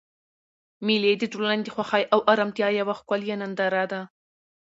مېلې د ټولنې د خوښۍ او ارامتیا یوه ښکلیه ننداره ده.